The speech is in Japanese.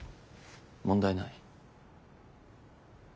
問題ない。